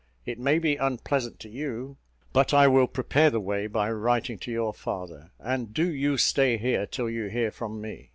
It may be unpleasant to you; but I will prepare the way by writing to your father: and do you stay here till you hear from me.